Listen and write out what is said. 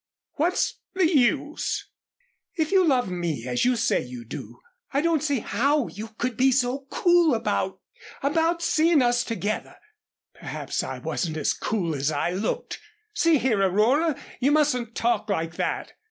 What's the use " "If you love me as you say you do, I don't see how you could be so cool about about seeing us together " "Perhaps I wasn't as cool as I looked. See here, Aurora, you mustn't talk like that."